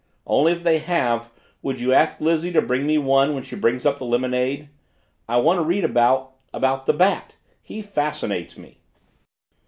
Only if they have, would you ask Lizzie to bring me one when she brings up the lemonade? I want to read about about the Bat he fascinates me."